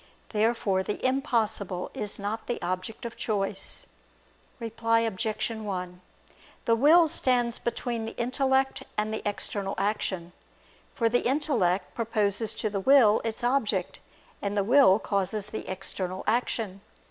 Therefore the impossible is not the object of choice. Reply Obj. 1: The will stands between the intellect and the external action: for the intellect proposes to the will its object, and the will causes the external action.